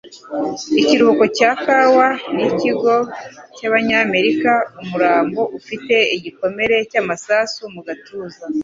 Ikiruhuko cya kawa nikigo cyabanyamerikaUmurambo ufite igikomere cy'amasasu mu gatuza.